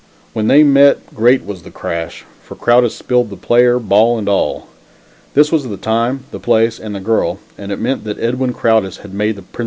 When they met, great was the crash, for Crowdis spilled the player, ball and all. This was the time, the place, and the girl; and it meant that Edwin Crowdis had made the Princeton Varsity team.